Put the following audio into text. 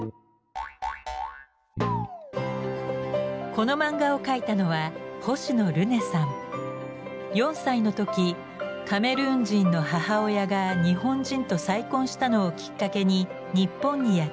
この漫画を描いたのは４歳の時カメルーン人の母親が日本人と再婚したのをきっかけに日本にやって来ました。